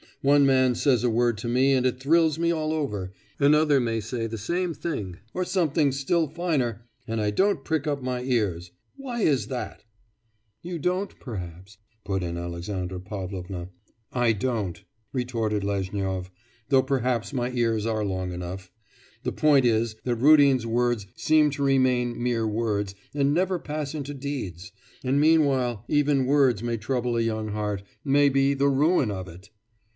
One man says a word to me and it thrills me all over, another may say the same thing, or something still finer and I don't prick up my ears. Why is that?' 'You don't, perhaps,' put in Alexandra Pavlovna. 'I don't,' retorted Lezhnyov, 'though perhaps my ears are long enough. The point is, that Rudin's words seem to remain mere words, and never to pass into deeds and meanwhile even words may trouble a young heart, may be the ruin of it.